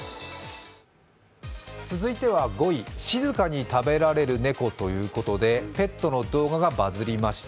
続いては５位、静かに食べられる猫ということで、ペットの動画がバズりました。